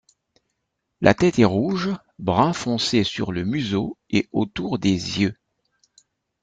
La tête est rouge, brun foncé sur le museau et autour des yeux.